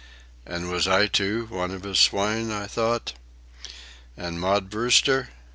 And was I, too, one of his swine? I thought. And Maud Brewster?